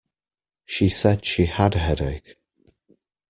She said she had a headache.